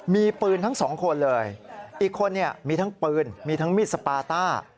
มีปืนทั้งสองคนเลยอีกคนเนี่ยมีทั้งปืนมีทั้งมีดสปาต้า